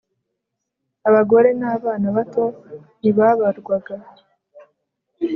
abagore n abana bato ntibabarwaga